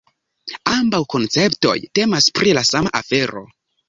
Ambaŭ konceptoj temas pri la sama afero.